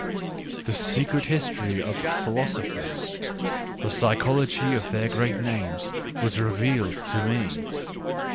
The secret history of philosophers, the psychology of their great names, was revealed to me.